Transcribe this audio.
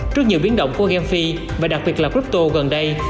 trước nhiều biến động của gamefi và đặc biệt là crypto gần đây